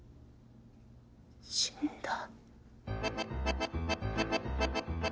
死んだ！？